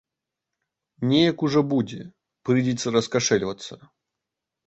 Неяк ужо будзе, прыйдзецца раскашэльвацца.